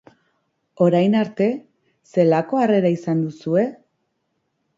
Orain arte, zelako harrera izan duzue?